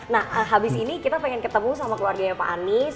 nah habis ini kita pengen ketemu sama keluarganya pak anies